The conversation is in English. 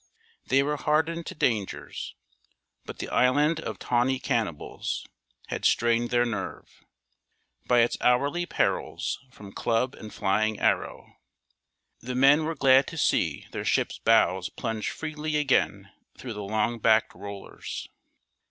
They were hardened to dangers, but the Island of Tawny Cannibals had strained their nerve, by its hourly perils from club and flying arrow. The men were glad to see their ship's bows plunge freely again through the long backed rollers.